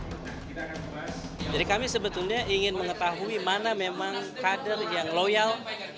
jadi kami sebetulnya ingin mengetahui mana memang kader yang loyal